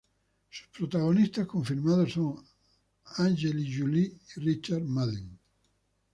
Sus protagonistas confirmados son Angelina Jolie y Richard Madden.